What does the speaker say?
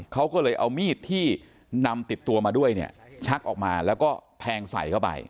เขาก็เลยเอามีดที่นำติดตัวมาด้วยเนี่ยชักออกมาแล้วก็แทงใส่เข้าไป